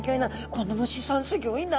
この虫さんすギョいな